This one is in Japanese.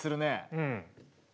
うん。